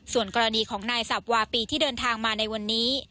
ส่วนกรณีของนายสับวาปีที่เดินทางมาในวันนี้